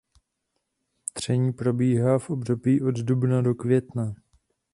Tření probíhá v období od dubna do května.